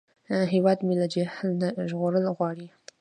هیواد مې له جهل نه ژغورل غواړي